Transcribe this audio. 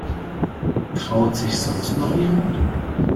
Traut sich sonst noch jemand?